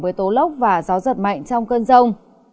với tố lốc và gió giật mạnh trong cơn rông